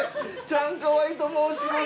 チャンカワイと申します。